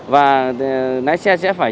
và lái xe sẽ phải tránh chạm cân